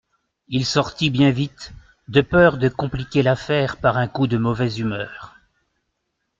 Il sortit bien vite, de peur de compliquer l'affaire par un coup de mauvaise humeur.